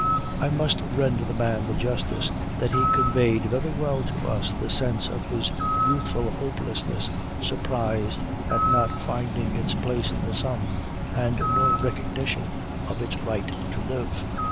I must render the man the justice that he conveyed very well to us the sense of his youthful hopelessness surprised at not finding its place in the sun and no recognition of its right to live.